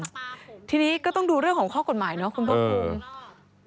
อืมทีนี้ก็ต้องดูเรื่องของข้อกฎหมายเนอะคุณพ่อคุณ